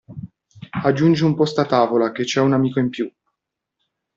Aggiungi un posto a tavola che c'è un amico in più!